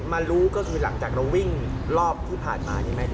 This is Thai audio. มารู้ก็หลังจากวิ่งรอบที่ผ่านมาอย่าไม่เห็น